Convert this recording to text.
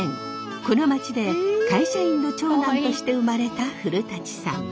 この町で会社員の長男として生まれた古さん。